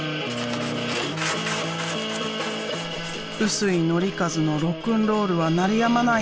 臼井紀和のロックンロールは鳴りやまない！